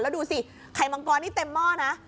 แล้วดูสิไข่มังกรนี่เต็มหม้อนะ